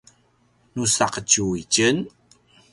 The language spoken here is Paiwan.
nu saqetju itjen